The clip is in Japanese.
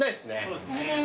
そうですね。